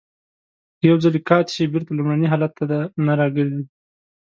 که یو ځلی قات شي بېرته لومړني حالت ته نه را گرځي.